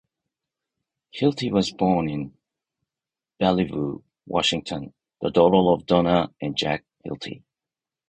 Hilty was born in Bellevue, Washington, the daughter of Donna and Jack Hilty.